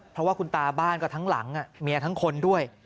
เพราะว่าคุณตาบ้านก็ทั้งหลังเมียทั้งคนด้วย